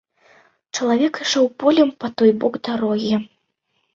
Чалавек ішоў полем па той бок дарогі.